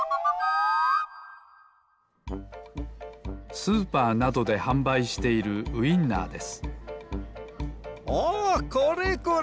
スーパーなどではんばいしているウインナーですおおこれこれ！